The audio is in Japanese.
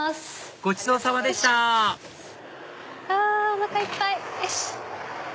ごちそうさまでしたあおなかいっぱい！